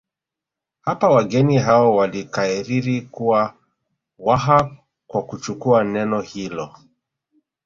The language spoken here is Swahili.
Hapo wageni hao walikariri kuwa Waha kwa kuchukua neno hilo